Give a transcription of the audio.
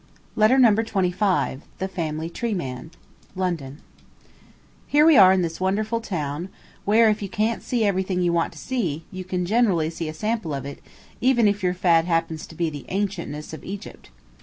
Letter Number Twenty five LONDON Here we are in this wonderful town, where, if you can't see everything you want to see, you can generally see a sample of it, even if your fad happens to be the ancientnesses of Egypt.